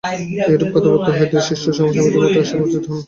এইরূপ কথাবার্তা হইতে হইতে শিষ্যসহ স্বামীজী মঠে আসিয়া উপস্থিত হইলেন।